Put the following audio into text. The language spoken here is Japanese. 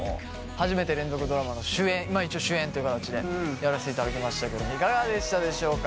初めて連続ドラマの主演まあ一応主演という形でやらせていただきましたけどいかがでしたでしょうか。